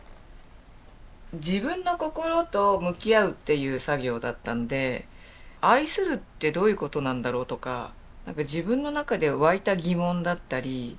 自分の心と向き合うっていう作業だったんで愛するってどういうことなんだろう？とか自分の中で湧いた疑問だったり。